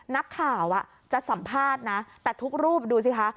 นักข่าวจะสัมภาษณ์นะแต่ทุกรูปดูสิคะ